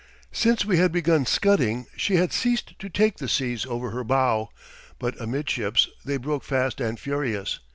Since we had begun scudding she had ceased to take the seas over her bow, but amidships they broke fast and furious.